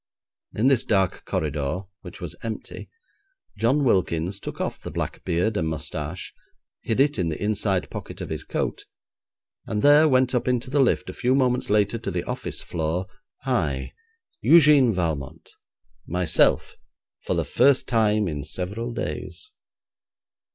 In this dark corridor, which was empty, John Wilkins took off the black beard and moustache, hid it in the inside pocket of his coat, and there went up into the lift a few moments later to the office floor, I, Eugène Valmont, myself for the first time in several days.